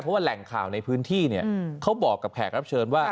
เพราะว่าแหล่งข่าวในพื้นที่เนี่ยเขาบอกกับแขกรับเชิญว่า